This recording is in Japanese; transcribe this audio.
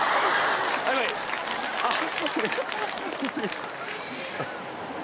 あっ！